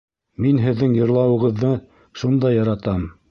Мин һеҙҙең йырлауығыҙҙы шундай яратам!